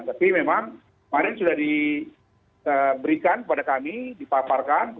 tapi memang kemarin sudah diberikan kepada kami dipaparkan